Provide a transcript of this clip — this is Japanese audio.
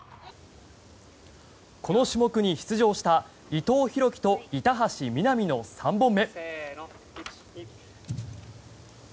この種目に出場した伊藤洸輝と板橋美波の３本目。